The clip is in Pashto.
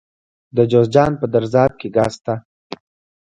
د جوزجان په درزاب کې ګاز شته.